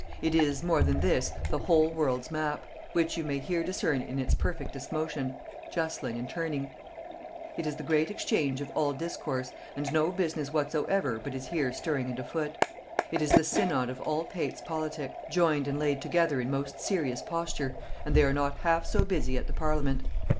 It is, more than this, the whole world's map, which you may here discern in its perfectest motion, justling, and turning. It is the great exchange of all discourse, and no business whatsoever but is here stirring and afoot. It is the synod of all pates politic, joined and laid together in most serious posture, and they are not half so busy at the parliament....